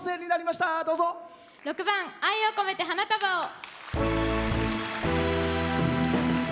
６番「愛をこめて花束を」。